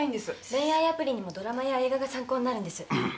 恋愛アプリにもドラマや映画が参考になるんです。